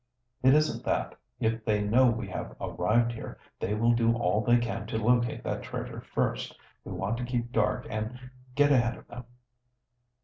"It isn't that. If they know we have arrived here, they will do all they can to locate that treasure first. We want to keep dark and get ahead of them."